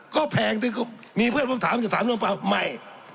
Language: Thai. ก็แพงมีเพื่อนพบถามจะถามเรื่องน้ำมันปาล์มไม่